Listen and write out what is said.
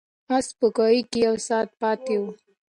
آس په کوهي کې یو ساعت پاتې و.